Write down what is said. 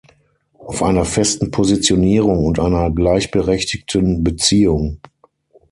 Auf einer festen Positionierung und einer gleichberechtigten Beziehung.